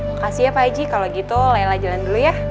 makasih ya pak haji kalau gitu lela jalan dulu ya